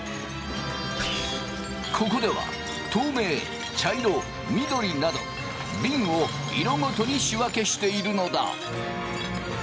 ここでは透明茶色緑などびんを色ごとに仕分けしているのだ。